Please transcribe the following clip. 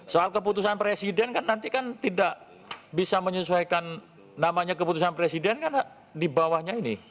soal keputusan presiden kan nanti kan tidak bisa menyesuaikan namanya keputusan presiden kan di bawahnya ini